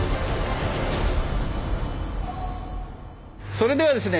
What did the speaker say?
それではですね